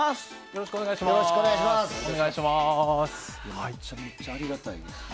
よろしくお願いします。